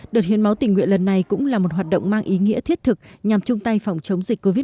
đợt hiến máu tình nguyện lần này cũng là một hoạt động mang ý nghĩa thiết thực nhằm chung tay phòng chống dịch covid một mươi chín